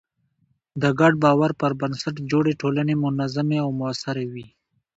د ګډ باور پر بنسټ جوړې ټولنې منظمې او موثرې وي.